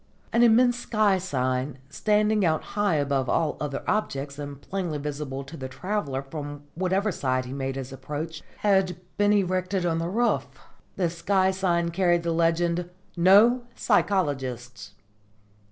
An immense sky sign, standing out high above all other objects and plainly visible to the traveller from whatever side he made his approach, had been erected on the roof. The sky sign carried the legend "No Psychologists!"